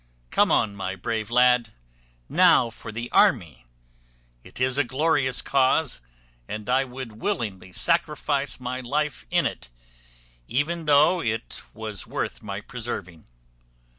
Come on, my brave lad, now for the army: it is a glorious cause, and I would willingly sacrifice my life in it, even though it was worth my preserving."